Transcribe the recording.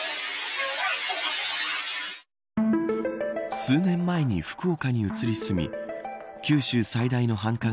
数年前に福岡に移り住み九州最大の繁華街